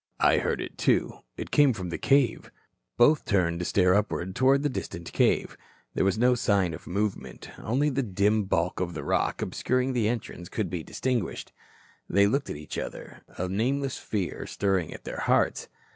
"I heard it, too. It came from the cave." Both turned to stare upward toward the distant cave. There was no sign of movement. Only the dim bulk of the rock obscuring the entrance could be distinguished. They looked at each other, a nameless fear stirring at their hearts.